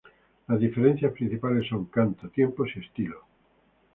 Las diferencias principales son canto, tiempos y estilo.